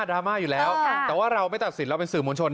ราม่าอยู่แล้วแต่ว่าเราไม่ตัดสินเราเป็นสื่อมวลชน